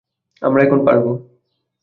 আমরা এখন পারবো।